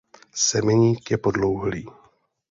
Semeník je podlouhlý.